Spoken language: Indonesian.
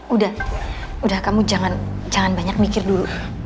udah udah kamu jangan banyak mikir dulu